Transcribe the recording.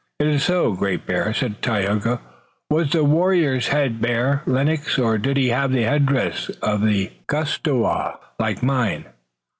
"It is so, Great Bear," said Tayoga. "Was the warrior's head bare, Lennox, or did he have the headdress, gustoweh, like mine?"